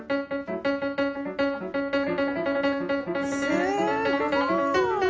すごい！